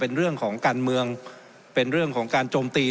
เป็นเรื่องของการเมืองเป็นเรื่องของการโจมตี